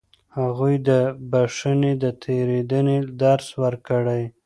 هغوی ته د بښنې او تېرېدنې درس ورکړئ.